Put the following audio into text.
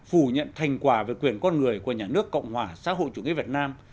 phủ nhận thành quả về quyền con người của nhà nước cộng hòa xã hội chủ nghĩa việt nam